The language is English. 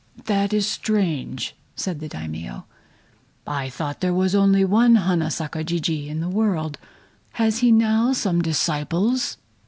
"That is strange!" said the Daimio. "I thought there was only one Hana Saka Jijii in the world! Has he now some disciples?"